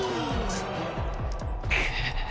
くっ！